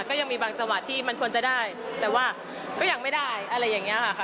ก็ยังมีบางจังหวะที่มันควรจะได้แต่ว่าก็ยังไม่ได้อะไรอย่างนี้ค่ะ